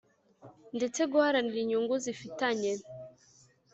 ndetse guharanira inyungu zifitanye